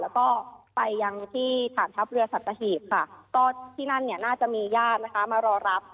แล้วก็ไปยังที่ฐานทัพเรือสัตว์ตะหิตที่นั่นน่าจะมีญาติมารอรับ